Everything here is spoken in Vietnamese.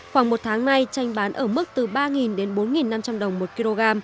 khoảng một tháng nay tranh bán ở mức từ ba đến bốn năm trăm linh đồng một kg